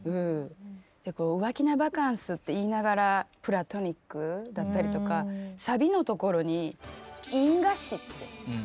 浮気なバカンスって言いながらプラトニックだったりとかサビのところに「印画紙」って。